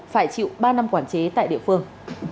phải chịu ba năm quản chế tại địa phương